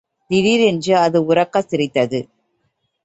திடீரென்று அது உரக்கச் சிரித்தது.